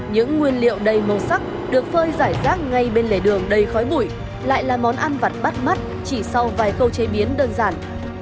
những nguyên liệu đầy màu sắc được phơi giải rác ngay bên lề đường đầy khói bụi lại là món ăn vặt bắt mắt chỉ sau vài khâu chế biến đơn giản